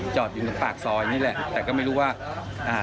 จอดอยู่ตรงปากซอยนี่แหละแต่ก็ไม่รู้ว่าอ่า